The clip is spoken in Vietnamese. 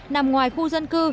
nằm ngoài khu dân cư